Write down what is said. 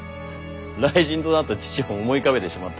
雷神となった父を思い浮かべてしまった。